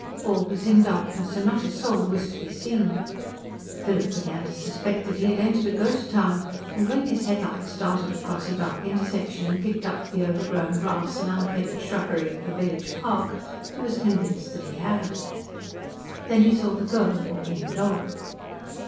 All was in darkness, and not a soul was to be seen. Philip began to suspect that he had entered a ghost town, and when his headlights darted across a dark intersection and picked up the overgrown grass and unkempt shrubbery of the village park, he was convinced that he had. Then he saw the girl walking the dog.